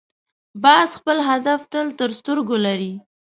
باز خپل هدف تل تر سترګو لري